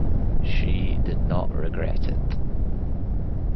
She did not regret it.